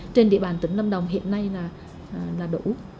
trên địa bàn tỉnh lâm đồng hiện nay là đủ